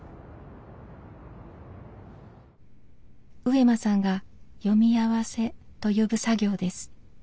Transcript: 上間さんが「読み合わせ」と呼ぶ作業です。